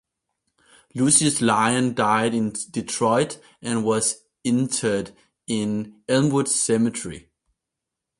Lucius Lyon died in Detroit and was interred in Elmwood Cemetery.